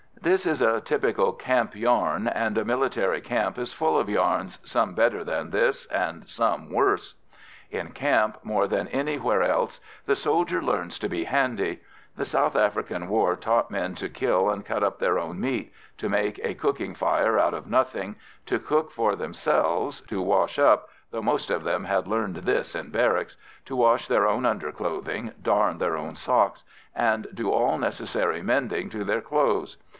This is a typical camp yarn, and a military camp is full of yarns, some better than this, and some worse. In camp, more than anywhere else, the soldier learns to be handy. The South African war taught men to kill and cut up their own meat, to make a cooking fire out of nothing, to cook for themselves, to wash up though most of them had learned this in barracks to wash their own underclothing, darn their own socks, and do all necessary mending to their clothes.